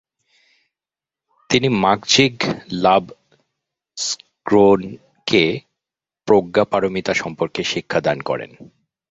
তিনি মা-গ্চিগ-লাব-স্গ্রোনকে প্রজ্ঞাপারমিতা সম্বন্ধে শিক্ষাদান করেন।